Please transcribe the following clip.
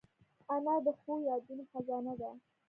انا د ښو یادونو خزانه ده